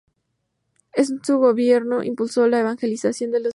En su gobierno, impulsó la evangelización de los indígenas del Chocó.